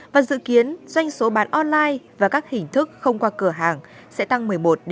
và dự kiến doanh số bán online và các hình thức không qua cửa hàng sẽ tăng một mươi một một mươi